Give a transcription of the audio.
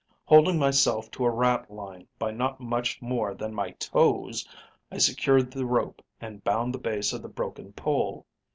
Holding myself to a rat line by not much more than my toes, I secured the rope and bound the base of the broken pole.